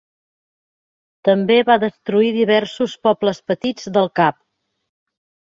També va destruir diversos pobles petits del cap.